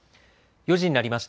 ４時になりました。